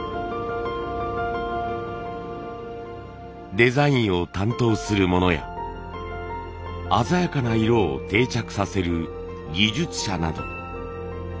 デザインを担当する者や鮮やかな色を定着させる技術者など。